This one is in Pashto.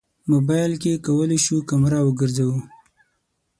موبایل کې کولی شو کمره وګرځوو.